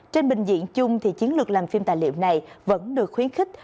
trên bình diện chung thì chiến lược làm phim tài liệu này vẫn được khuyến khích